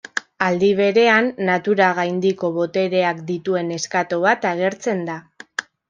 Aldi berean, natura-gaindiko botereak dituen neskato bat agertzen da.